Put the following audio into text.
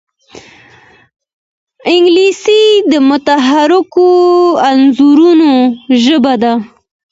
انګلیسي د متحرکو انځورونو ژبه ده